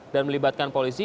dan melibatkan polisi